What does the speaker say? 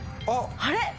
あれ？